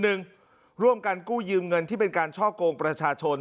ร่วมกันกู้ยืมเงินที่เป็นการช่อกงประชาชน